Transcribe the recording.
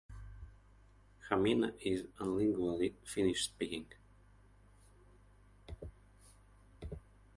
Hamina is unilingually Finnish speaking.